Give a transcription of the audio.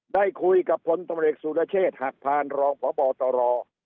ได้คุยกับพลตมเล็กสุรเชษฐ์หากผ่านรองขอบอตร